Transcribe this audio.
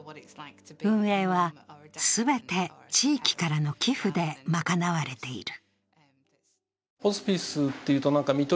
運営は全て地域からの寄付で賄われている。